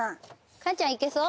カンちゃんいけそう？